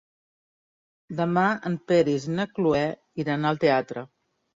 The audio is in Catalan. Demà en Peris i na Cloè iran al teatre.